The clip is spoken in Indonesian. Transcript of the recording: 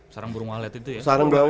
sarang burung walet itu ya